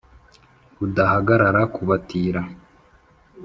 Rudahagarara ku batira